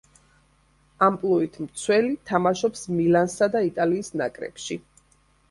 ამპლუით მცველი, თამაშობს „მილანსა“ და იტალიის ნაკრებში.